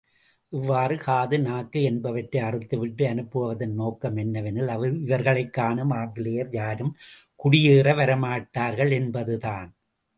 இவ்வாறு காது, நாக்கு என்பவற்றை அறுத்துவிட்டு அனுப்புவதன் நோக்கமென்னவெனில் இவர்களைக் காணும் ஆங்கிலேயர் யாரும் குடியேற வரமாட்டார்கள் என்பதுதான்.